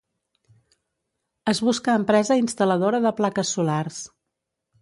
Es busca empresa instal·ladora de plaques solars.